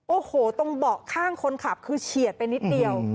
โอ้โหตรงเบาะข้างคนขับคือเฉียดไปนิดเดียว